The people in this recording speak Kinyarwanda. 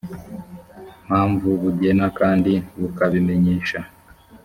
mpamvu bugena kandi bukabimenyesha